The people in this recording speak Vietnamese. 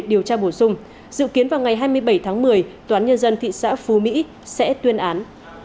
hỗ trợ hỗ dung dự kiến vào ngày hai mươi bảy tháng một mươi toán nhân dân thị xã phú mỹ sẽ tuyên án